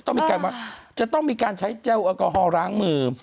นี่ต้องมีการใช้แจ้วอักโกฮอล้างมือ